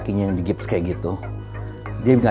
saya tetep cauk wamaa